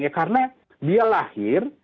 ya karena dia lahir